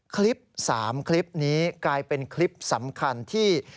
คลิป๓คลิปนี้กลายเป็นคลิปสำคัญที่